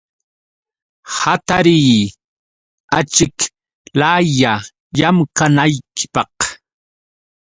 Hatariy achiklaylla llamkanaykipaq.